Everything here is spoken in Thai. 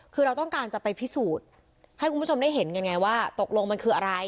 คือเราต้องการจะไปพิสูจน์ให้คุณผู้ชมได้เห็นกันไงว่าตกลงมันคืออะไร